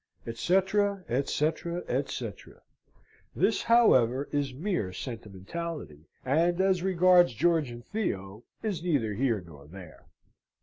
Et cetera, et cetera, et cetera. This, however, is mere sentimentality; and as regards George and Theo, is neither here nor there.